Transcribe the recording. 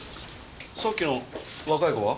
さっきの若い子は？